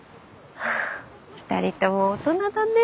２人とも大人だねフフッ。